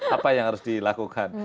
apa yang harus dilakukan